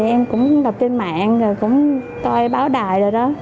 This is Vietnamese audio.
em cũng đọc trên mạng rồi cũng coi báo đài rồi đó